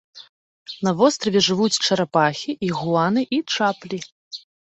На востраве жывуць чарапахі, ігуаны і чаплі.